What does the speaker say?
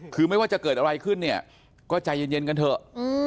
คือไม่ว่าจะเกิดอะไรขึ้นเนี่ยก็ใจเย็นกันเถอะ